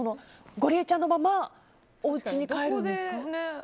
ゴリエちゃんのままおうちに帰るんですか？